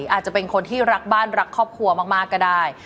อาจจะเป็นคนที่รักบ้านรักครอบครัวมากก็ได้